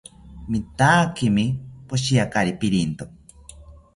Mitaakimi poshiakari pirinto